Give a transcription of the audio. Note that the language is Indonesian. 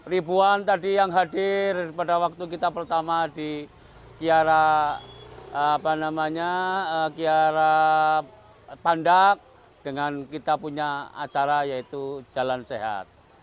ribuan tadi yang hadir pada waktu kita pertama di kiara pandak dengan kita punya acara yaitu jalan sehat